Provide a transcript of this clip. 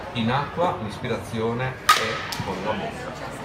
In acqua l'ispirazione è con la bocca.